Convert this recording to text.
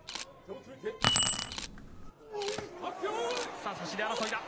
さあ、差しで争いだ。